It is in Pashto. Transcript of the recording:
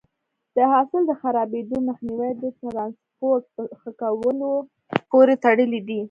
د حاصل د خرابېدو مخنیوی د ټرانسپورټ په ښه کولو پورې تړلی دی.